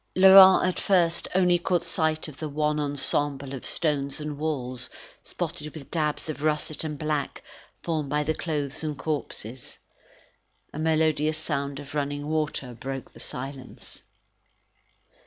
Laurent at first only caught sight of the wan ensemble of stones and walls, spotted with dabs of russet and black formed by the clothes and corpses. A melodious sound of running water broke the silence.